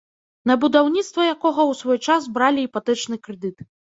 На будаўніцтва якога ў свой час бралі іпатэчны крэдыт.